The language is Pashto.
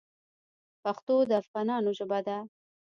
پښتو د افغانانو ژبه ده.